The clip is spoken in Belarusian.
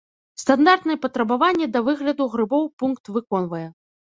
Стандартныя патрабаванні да выгляду грыбоў пункт выконвае.